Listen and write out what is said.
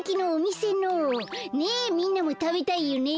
ねえみんなもたべたいよね？